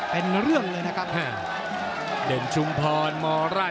เป็นเรื่องเลยนะครับ